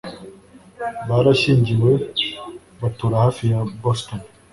barashyingiwe batura hafi ya boston